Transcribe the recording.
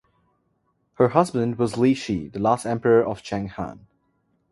Her husband was Li Shi, the last emperor of Cheng Han.